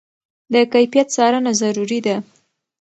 د کیفیت څارنه ضروري ده.